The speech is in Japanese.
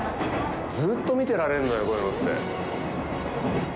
ずうっと見てられるのよ、こういうのって。